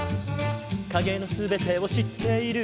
「影の全てを知っている」